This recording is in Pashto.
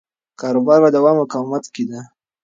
کاروبار په دوام او مقاومت کې دی.